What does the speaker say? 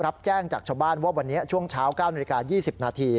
รับแจ้งจากชาวบ้านว่าวันนี้ช่วงเช้า๙น๒๐น